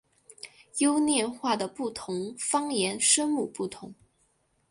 优念话的不同方言声母不同。